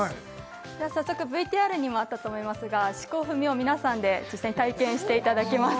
早速ＶＴＲにもあったと思いますが四股踏みを皆さんで実際に体験していただきます